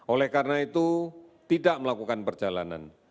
oleh karena itu tidak melakukan perjalanan